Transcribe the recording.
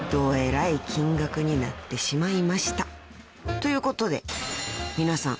［ということで皆さん。